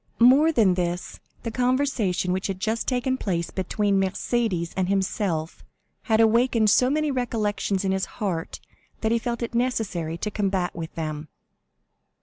More than this, the conversation which had just taken place between Mercédès and himself had awakened so many recollections in his heart that he felt it necessary to combat with them.